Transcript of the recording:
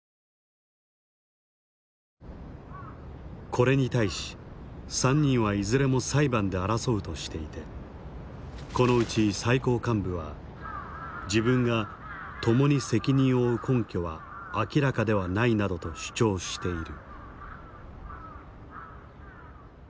これに対し３人はいずれも裁判で争うとしていてこのうち最高幹部は自分が共に責任を負う根拠は明らかではないなどと主張している。